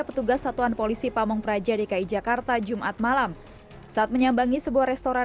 petugas satuan polisi pamung praja dki jakarta jumat malam saat menyambangi sebuah restoran